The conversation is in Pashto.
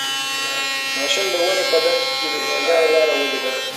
ماشوم د ونې په ډډ کې د مېږیانو لاره ولیده.